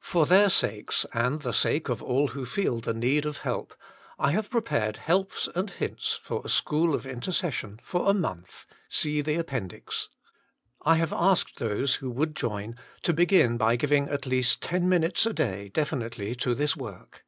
For their sakes, and the sake of all who feel the need of help, I have pre pared helps and hints for a school of intercession for a month (see the Appendix). I have asked those who would join, to begin by giving at least ten minutes a day definitely to this work.